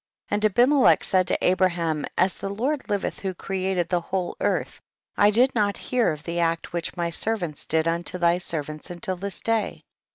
7. And Abimelech said to Abra ham, as the Lord liveth who created the whole earth I did not hear of the THE BOOK OF JASHER. 61 act which my servants did unto thy servants until this day.